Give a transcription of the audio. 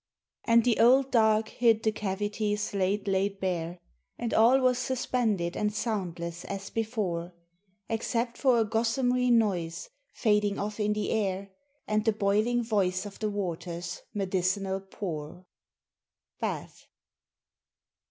And the olden dark hid the cavities late laid bare, And all was suspended and soundless as before, Except for a gossamery noise fading off in the air, And the boiling voice of the waters' medicinal pour. BATH.